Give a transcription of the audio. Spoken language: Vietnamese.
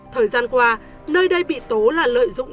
thời gian qua nơi đây bị tố là lợi dụng